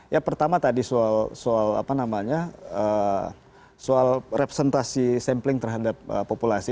ya pertama tadi soal representasi sampling terhadap populasi